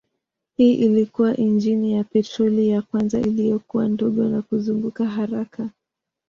Hii ilikuwa injini ya petroli ya kwanza iliyokuwa ndogo na kuzunguka haraka.